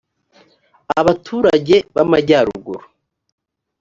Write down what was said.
abaturage b amajyaruguru